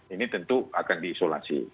ini tentu akan diisolasi